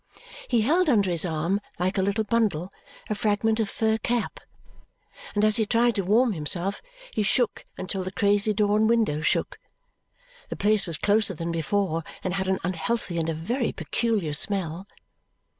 He held under his arm, like a little bundle, a fragment of a fur cap; and as he tried to warm himself, he shook until the crazy door and window shook. The place was closer than before and had an unhealthy and a very peculiar smell.